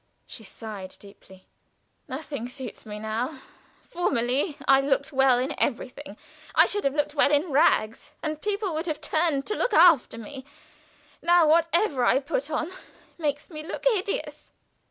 (She sighed deeply.) "Nothing suits me now. Formerly I looked well in everything. I should have looked well in rags, and people would have turned to look after me. Now, whatever I put on makes me look hideous."